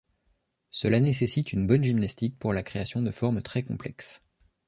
Cela nécessite une bonne gymnastique pour la création de formes très complexes.